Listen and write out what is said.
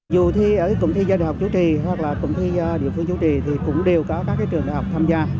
dù thi ở cụng thi do đại học chủ trì hoặc là cụm thi địa phương chủ trì thì cũng đều có các trường đại học tham gia